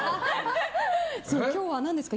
今日は何ですか？